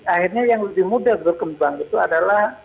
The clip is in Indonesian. akhirnya yang lebih mudah berkembang itu adalah